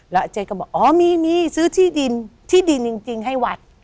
แล้วเจ๊ก็บอกอ๋อมีมีซื้อที่ดินที่ดินจริงให้วัด